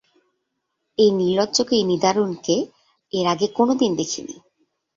এই নির্লজ্জকে এই নিদারুণকে এর আগে কোনোদিন দেখি নি।